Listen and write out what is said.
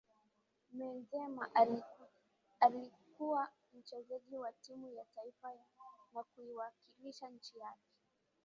Benzema alikuwa mchezaji wa timu ya taifa na kuiwakilisha nchi yake